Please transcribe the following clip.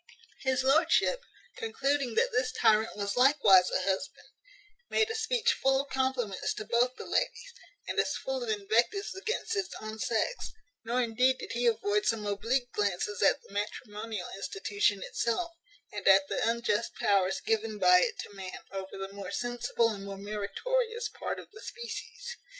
His lordship, concluding that this tyrant was likewise a husband, made a speech full of compliments to both the ladies, and as full of invectives against his own sex; nor indeed did he avoid some oblique glances at the matrimonial institution itself, and at the unjust powers given by it to man over the more sensible and more meritorious part of the species.